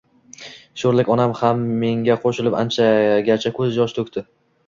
Sho`rlik onam ham menga qo`shilib anchagacha ko`z yosh to`kdi